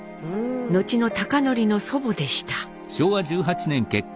後の貴教の祖母でした。